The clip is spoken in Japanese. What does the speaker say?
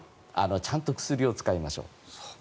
ちゃんと薬を使いましょう。